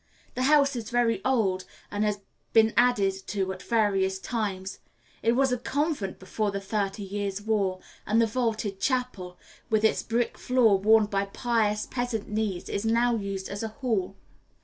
The house is very old, and has been added to at various times. It was a convent before the Thirty Years' War, and the vaulted chapel, with its brick floor worn by pious peasant knees, is now used as a hall.